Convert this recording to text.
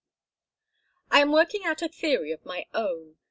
"I am working out a theory of my own.